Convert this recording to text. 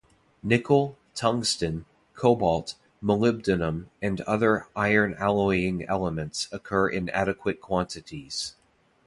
Nickel, tungsten, cobalt, molybdenum and other iron alloying elements occur in adequate quantities.